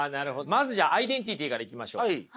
まずじゃあアイデンティティーからいきましょう。